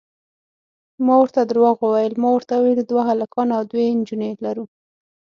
ما ورته درواغ وویل، ما ورته وویل دوه هلکان او دوې نجونې لرو.